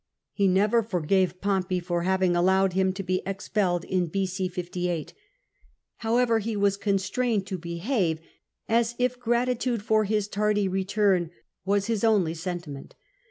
He never for gave Pompey for having allowed him to be expelled in B.c. 58. However, he was constrained to behave as if gratitude for his tardy return was his only sentiment.